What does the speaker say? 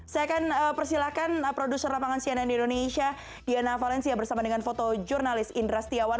saya akan persilahkan produser lapangan cnn indonesia diana valencia bersama dengan foto jurnalis indra setiawan